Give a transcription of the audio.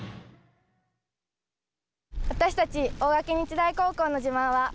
私たち大垣日大高校の自慢は。